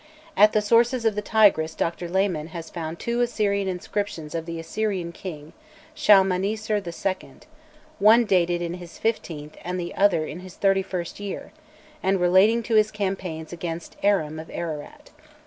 At the sources of the Tigris Dr. Lehmann has found two Assyrian inscriptions of the Assyrian king, Shalmaneser IL, one dated in his fifteenth and the other in his thirty first year, and relating to his campaigns against Aram of Ararat.